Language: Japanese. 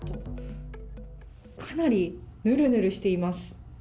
かなりぬるぬるしています。